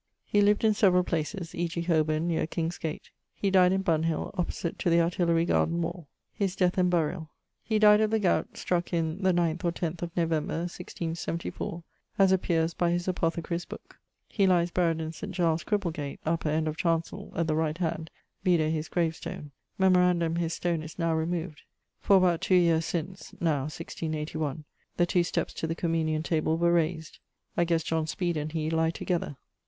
_> He lived in several places, e.g. Holborne neer King's gate. He died in Bunhill, opposite to the Artillery garden wall. <_His death and burial._> He died of the gowt struck in, the 9th or 10th of November, 1674, as appeares by his apothecarye's booke. He lies buried in St. Giles's Cripplegate, upper end of chancell at the right hand, vide his gravestone. Memorandum his stone is now removed; for, about two yeares since (now, 1681), the two steppes to the communion table were raysed. I ghesse John Speed and he lie together.